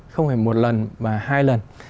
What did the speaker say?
không hề một lần mà hai lần